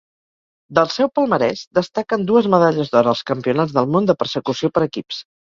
Del seu palmarès destaquen dues medalles d'or als Campionats del món de persecució per equips.